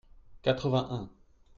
quatre-vingt un.